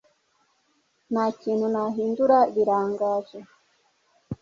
Nta kintu nahindura Birangaje